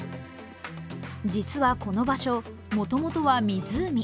実はこの場所、もともとは湖。